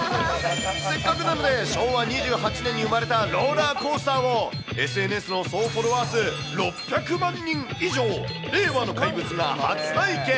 せっかくなので昭和２８年に生まれたローラーコースターを、ＳＮＳの総フォロワー数、６００万人以上、令和の怪物が初体験。